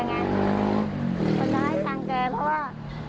เขาจะให้ตังค์แกเพราะว่า